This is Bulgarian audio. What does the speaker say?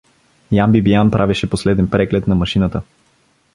Ян Бибиян правеше последен преглед на машината.